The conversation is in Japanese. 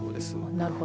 なるほど。